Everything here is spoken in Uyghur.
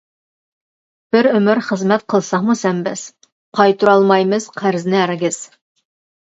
بىر ئۆمۈر خىزمەت قىلساقمۇ سەن بىز، قايتۇرالمايمىز قەرزىنى ھەرگىز.